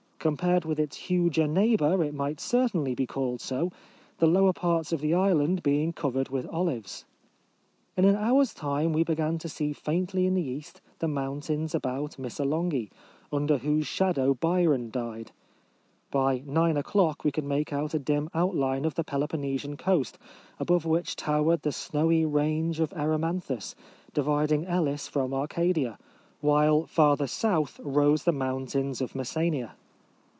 Com pared with its huger neighbour it might certainly be called so, the lower parts of the island being cov ered with olives. In an hour's time we began to see faintly in the east the moun tains about Missolonghi, under whose shadow Byron died : by nine o'clock we could make out a dim. outline of the Peloponnesian coast, above which towered the snowy range of Erymanthus, divid ing Elis from Arcadia; while farther south rose the mountains of Mes senia.